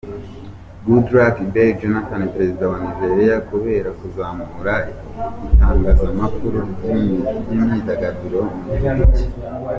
Goodluck Ebele Jonathan perezida wa Nigeria kubera kuzamura itangazamakuru ry’imyidagaduro mu gihugu cye.